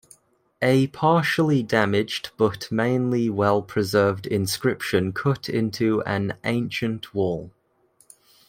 A partially damaged but mainly well preserved inscription cut into an ancient wall.